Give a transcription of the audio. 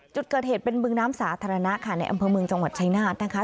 จุดเกิดเหตุเป็นบึงน้ำสาธารณะค่ะในอำเภอเมืองจังหวัดชายนาฏนะคะ